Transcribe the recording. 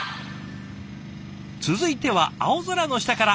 続いては青空の下から。